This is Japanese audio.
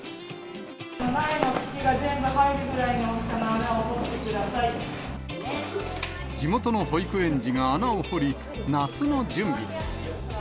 苗の土が全部入るくらいの大地元の保育園児が穴を掘り、夏の準備です。